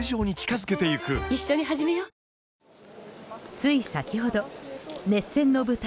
つい先ほど、熱戦の舞台